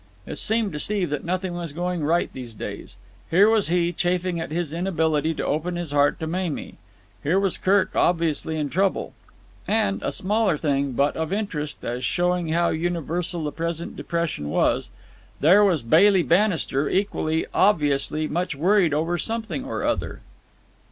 It seemed to Steve that nothing was going right these days. Here was he, chafing at his inability to open his heart to Mamie. Here was Kirk, obviously in trouble. And—a smaller thing, but of interest, as showing how universal the present depression was—there was Bailey Bannister, equally obviously much worried over something or other.